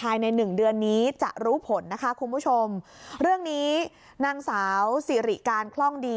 ภายในหนึ่งเดือนนี้จะรู้ผลนะคะคุณผู้ชมเรื่องนี้นางสาวสิริการคล่องดี